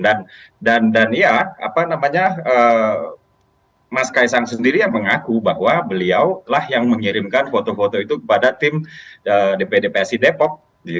dan ya mas ks sang sendiri yang mengaku bahwa beliau lah yang mengirimkan foto foto itu kepada tim dpd psi depok